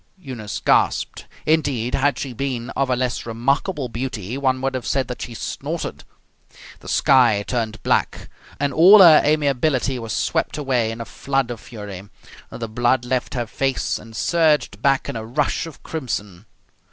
Eunice gasped. Indeed, had she been of a less remarkable beauty one would have said that she snorted. The sky turned black, and all her amiability was swept away in a flood of fury. The blood left her face and surged back in a rush of crimson.